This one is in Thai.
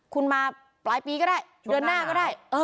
คุณมาปลายปีก็ได้เดือนหน้าก็ได้